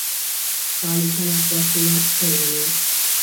ستا لیکنه خواشینی کړی وي.